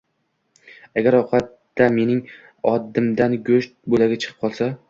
Agar ovqatda mening oddimdan go'sht bo'lagi chiqib qolsa